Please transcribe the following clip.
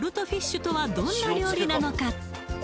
フィッシュとはどんな料理なのか？